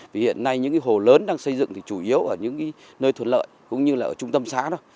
vì hiện nay những cái hồ lớn đang xây dựng thì chủ yếu ở những nơi thuận lợi cũng như là ở trung tâm xá đâu